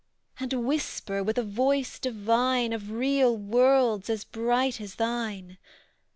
And whisper, with a voice divine, Of real worlds, as bright as thine.